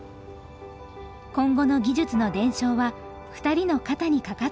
今後の技術の伝承は２人の肩にかかっています。